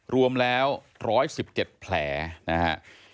รวมแล้ว๑๑๗แผลนะฮะ